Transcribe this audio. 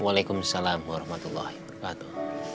waalaikumsalam warahmatullahi wabarakatuh